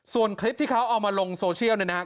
ส่วนคลิปที่เขาเอามาลงโซเชียลเนี่ยนะครับ